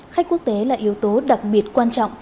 khách quốc tế là yếu tố đặc biệt quan trọng